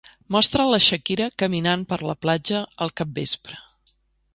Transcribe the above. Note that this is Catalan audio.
Mostra la Shakira caminant per la platja al capvespre.